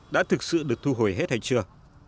đã thực sự được thu hồi hết hay chưa